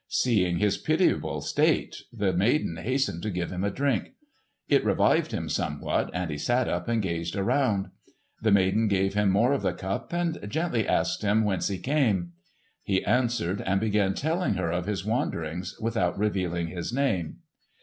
Seeing his pitiable state, the maiden hastened to give him a drink. It revived him somewhat, and he sat up and gazed around. The maiden gave him more of the cup and gently asked him whence he came. He answered and began telling her of his wanderings without revealing his name.